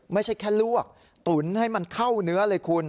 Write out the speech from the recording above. ไม่ใช่แค่ลวกตุ๋นให้มันเข้าเนื้อเลยคุณ